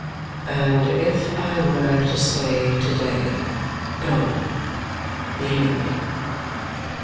"And if I were to say to day, 'Go! Leave me!'